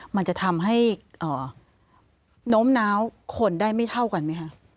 มันจะทำให้โน้มน้าวคนได้ไม่เท่ากันไหมคะ